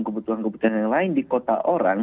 kebutuhan kebutuhan yang lain di kota orang